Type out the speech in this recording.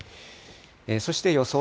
そして予想